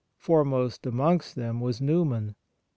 Foremost amongst them was Newman.